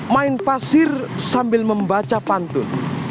main pasir sambil membaca pantun